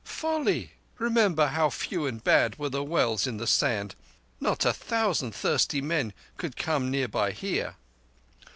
"Folly! Remember how few and bad were the wells in the sand. Not a thousand thirsty men could come near by here."